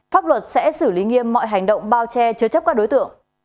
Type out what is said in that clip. pháp luật sẽ xử lý nghiêm mọi hành động bao che chứa chấp các đối tượng